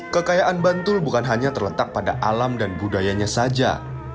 kekayaan bantul bukan hanya terletak pada alam dan budayanya saja